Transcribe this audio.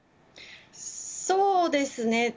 そうですね。